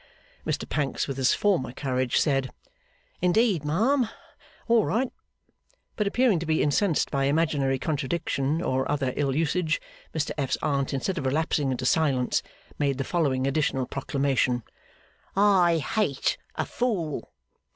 Mr Pancks, with his former courage, said, 'Indeed, ma'am? All right!' But appearing to be incensed by imaginary contradiction, or other ill usage, Mr F.'s Aunt, instead of relapsing into silence, made the following additional proclamation: 'I hate a fool!